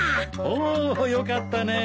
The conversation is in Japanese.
およかったね。